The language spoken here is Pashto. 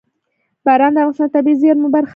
باران د افغانستان د طبیعي زیرمو برخه ده.